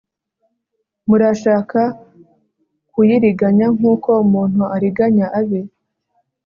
murashaka kuyiriganya nk uko umuntu ariganya abe